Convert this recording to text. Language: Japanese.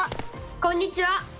こんにちは！